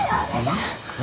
何？